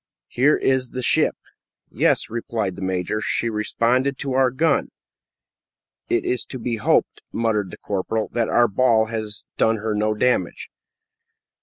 Here is the ship." "Yes," replied the major; "she responded to our gun." "It is to be hoped," muttered the corporal, "that our ball has done her no damage."